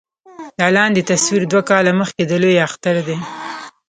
دا لاندې تصوير دوه کاله مخکښې د لوئے اختر دے